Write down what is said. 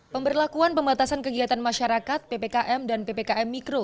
pemberlakuan pembatasan kegiatan masyarakat ppkm dan ppkm mikro